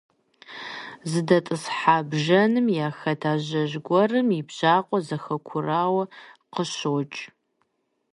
ЗыдэтӀысхьар бжэным яхэт ажэжь гуэрым и бжьакъуэ зэхуакурауэ къыщӀокӀ.